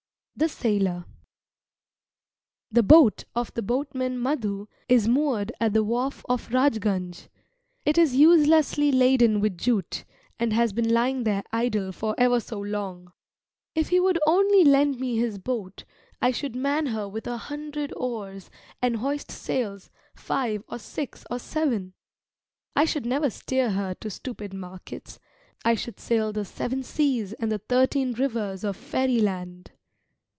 THE SAILOR The boat of the boatman Madhu is moored at the wharf of Rajgunj. It is uselessly laden with jute, and has been lying there idle for ever so long. If he would only lend me his boat, I should man her with a hundred oars, and hoist sails, five or six or seven. I should never steer her to stupid markets. I should sail the seven seas and the thirteen rivers of fairyland.